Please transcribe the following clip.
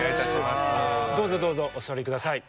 どうぞどうぞお座りください。